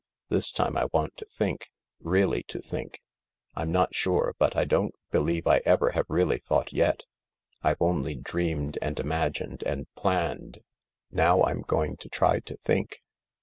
This time I want to think. Really to think. I'm not sure, but I don't believe I ever have really thought yet. I've only dreamed and imagined and planned. Now I'm going to try to think.